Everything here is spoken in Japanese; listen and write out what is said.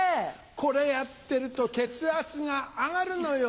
これやってると血圧が上がるのよ。